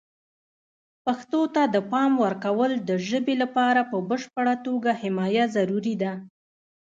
پښتو ته د پام ورکول د ژبې لپاره په بشپړه توګه حمایه ضروري ده.